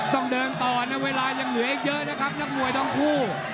ต้องเดินต่อนะเวลายังเหลืออีกเยอะนะครับนักมวยทั้งคู่